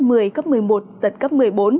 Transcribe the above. giật cấp một mươi bốn